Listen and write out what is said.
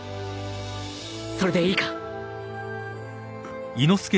それでいいか？